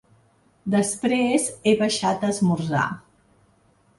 Després he baixat a esmorzar.